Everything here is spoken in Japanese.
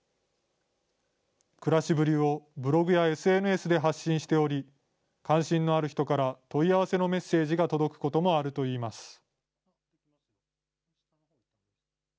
暮らしぶりをブログやＳＮＳで発信しており、関心のある人から、問い合わせのメッセージが届くこともあるといいます。